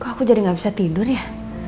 aku jadi gak bisa tidur ya